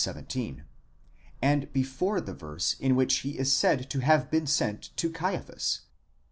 13), and before the verse in which he is said to have been sent to Caiaphas (v.